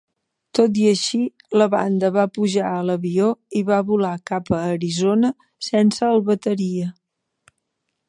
Tot i així, la banda va pujar a l'avió i va volar cap a Arizona sense el bateria.